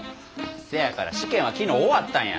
せやから試験は昨日終わったんや。